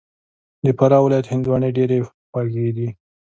د فراه ولایت هندواڼې ډېري خوږي دي